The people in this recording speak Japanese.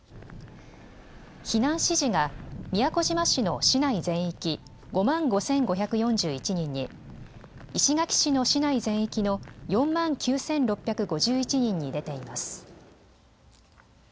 避難指示が宮古島市の市内全域５万５５４１人に、石垣市の市内全域の４万９６５１人に出ています。